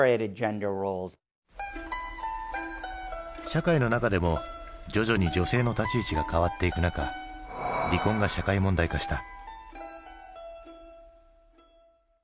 社会の中でも徐々に女性の立ち位置が変わっていく中離婚が社会問題化した。